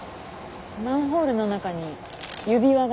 マンホールの中に指輪が。